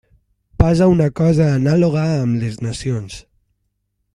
Passa una cosa anàloga amb les nacions.